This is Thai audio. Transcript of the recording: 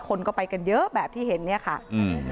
คนก็ไปกันเยอะแบบที่เห็นเนี้ยค่ะอืม